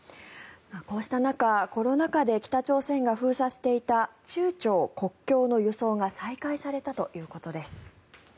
こうした中、コロナ禍で北朝鮮が封鎖していた中朝国境の輸送が再開されたということです。